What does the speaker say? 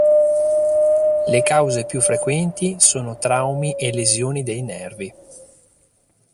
Le cause più frequenti sono traumi e lesioni dei nervi.